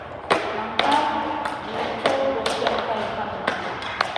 Nam ká gi caw ɓosiyona hay hatna.